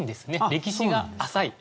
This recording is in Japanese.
歴史が浅い。